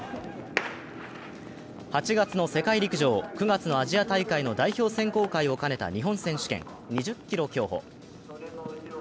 ８月の世界陸上、９月のアジア大会の代表選考会を兼ねた日本選手権２０ｋｍ競歩。